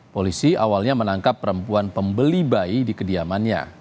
polisi awalnya menangkap perempuan pembeli bayi di kediamannya